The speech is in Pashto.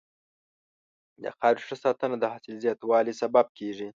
د خاورې ښه ساتنه د حاصل زیاتوالي سبب کېږي.